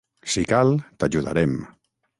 Si cal, t'ajudarem.